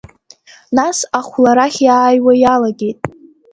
Нас ахәларахь иааиуа иалагеит.